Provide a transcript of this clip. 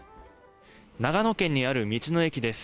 長野県にある道の駅です。